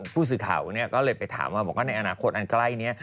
ผู้สื่อข่าวเนี่ยก็เลยไปถามว่าในอนาคตอันไกลนี้